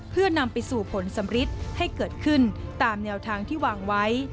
เพื่อนำไปสู่ผลสำริดให้เกิดขึ้นตามแนวทางที่วางไว้